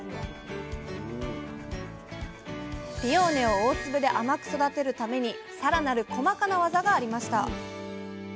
ピオーネを大粒で甘く育てるためにさらなる細かなワザがありました